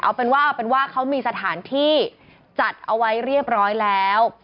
เอาเป็นว่าเอาเป็นว่าเขามีสถานที่จัดเอาไว้เรียบร้อยแล้ว